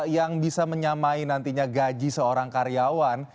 yang bisa menyamai nantinya gaji seorang karyawan